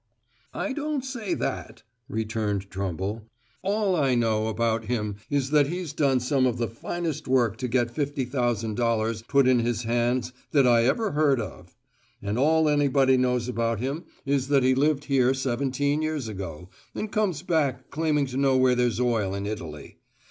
"I don't say that," returned Trumble. "All I know about him is that he's done some of the finest work to get fifty thousand dollars put in his hands that I ever heard of. And all anybody knows about him is that he lived here seventeen years ago, and comes back claiming to know where there's oil in Italy.